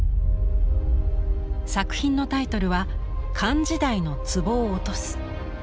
作品のタイトルは「漢時代の壷を落とす」。